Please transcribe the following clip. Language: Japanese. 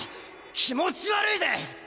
気持ち悪いぜ！